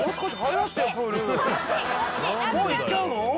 もう行っちゃうの？